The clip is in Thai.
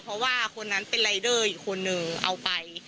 เพราะว่าคนนั้นเป็นรายเดอร์อีกคนนึงเอาไป